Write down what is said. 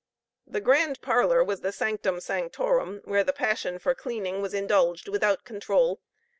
The grand parlor was the sanctum sanctorum, where the passion for cleaning was indulged without control.